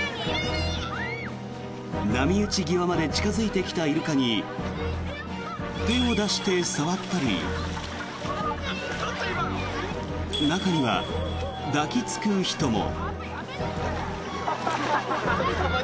波打ち際まで近付いてきたイルカに手を出して触ったり中には抱きつく人も。